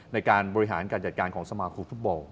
ในการบริหารการจัดการของสมาคมฟุตบอล